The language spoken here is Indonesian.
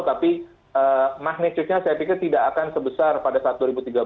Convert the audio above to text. tapi magnesusnya saya pikir tidak akan sebesar pada saat dua ribu tiga belas